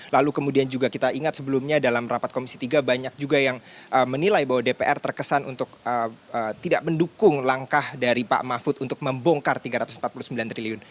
lalu kemudian juga kita ingat sebelumnya dalam rapat komisi tiga banyak juga yang menilai bahwa dpr terkesan untuk tidak mendukung langkah dari pak mahfud untuk membongkar tiga ratus empat puluh sembilan triliun